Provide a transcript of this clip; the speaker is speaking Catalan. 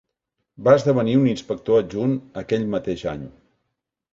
Va esdevenir un inspector adjunt aquell mateix any.